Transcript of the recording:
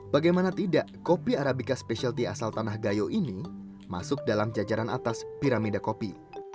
bagaimana tidak kopi arabica specialty asal tanah gayo ini masuk dalam jajaran atas piramida kopi